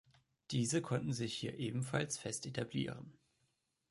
Diese konnten sich hier ebenfalls fest etablieren.